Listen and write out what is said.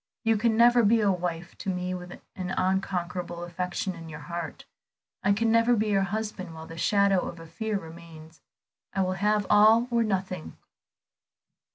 You can never be a wife to me with an unconquerable affection in your heart; I can never be your husband while the shadow of a fear remains. I will have all or nothing."